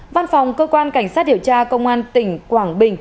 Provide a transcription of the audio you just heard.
văn phòng cơ quan cảnh sát điều tra công an tỉnh quảng bình